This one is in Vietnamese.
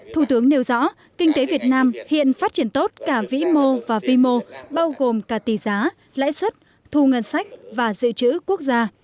thủ tướng nêu rõ kinh tế việt nam hiện phát triển tốt cả vĩ mô và vi mô bao gồm cả tỷ giá lãi suất thu ngân sách và dự trữ quốc gia